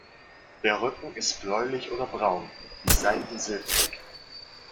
Der Rücken ist bläulich oder braun, die Seiten silbrig.